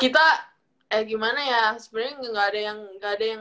kita eh gimana ya sebenernya gak ada yang gak ada yang